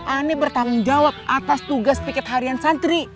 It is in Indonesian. ane bertanggung jawab atas tugas piket harian santri